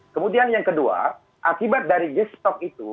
kemudian yang kedua akibat dari stok itu